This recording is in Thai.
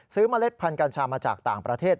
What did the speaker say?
เมล็ดพันธุ์กัญชามาจากต่างประเทศ